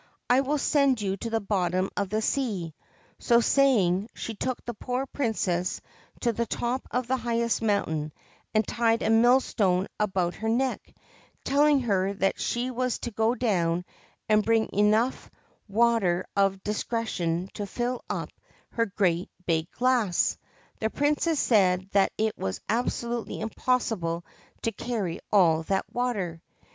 I will send you to the bottom of the sea/ So saying, she took the poor Princess to the top of the highest mountain and tied a mill stone about her neck, telling her that she was to go down and bring enough Water of Discretion to fill up her great big glass. The Princess said that it was absolutely impossible to carry all that water.